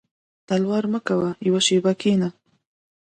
•تلوار مه کوه یو شېبه کښېنه.